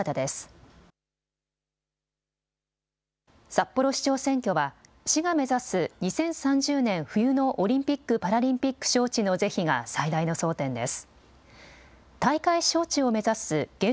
札幌市長選挙は市が目指す２０３０年冬のオリンピック・パラリンピック招致の是非が最大の争点です。